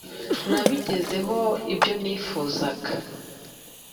nabigezeho ibyo nifuzaga.